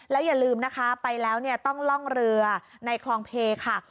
แล้วอย่าลืมนะคะไปแล้วเนี่ยต้องล่องเรือในคลองเพค่ะ